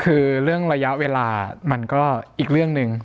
คือเรื่องระยะเวลามันก็อีกเรื่องหนึ่ง